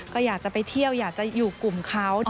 ก็อยากจะไปเที่ยวอยากจะอยู่กลุ่มเขา